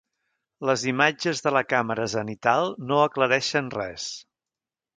Les imatges de la càmera zenital no aclareixen res.